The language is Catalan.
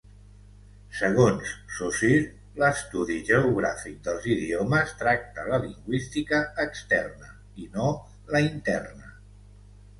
Segons Saussure, l'estudi geogràfic dels idiomes tracta la lingüística externa i no la interna.